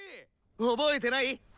覚えてない？